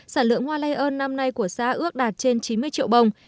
sản lượng hoa lây ơn năm nay của xã ước đạt trên chín mươi triệu bồng